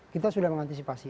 kita sudah mengantisipasi